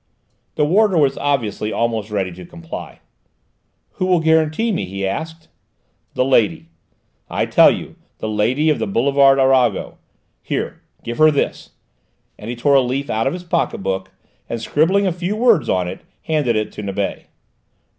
The warder was obviously almost ready to comply. "Who will guarantee me?" he asked. "The lady, I tell you the lady of the boulevard Arago. Here, give her this," and he tore a leaf out of his pocket book and, scribbling a few words on it, handed it to Nibet.